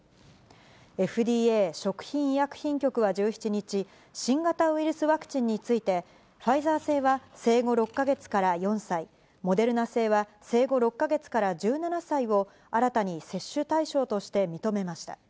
ＦＤＡ・食品医薬品局は１７日、新型ウイルスワクチンについて、ファイザー製は生後６か月から４歳、モデルナ製は生後６か月から１７歳を、新たに接種対象として認めました。